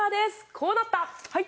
こうなった。